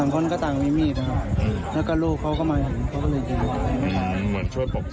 ผมเขาปั้มหัวใจไปประมาณ๕นาทีครับก็หมด